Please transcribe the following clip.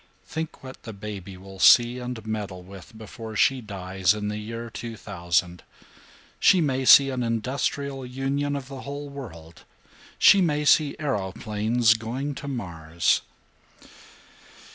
Think what that baby will see and meddle with before she dies in the year 2000! She may see an industrial union of the whole world, she may see aeroplanes going to Mars."